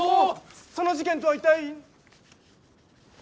その事件とは一体？